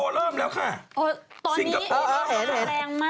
โอ๊ยตอนนี้เอกมากแรงมาก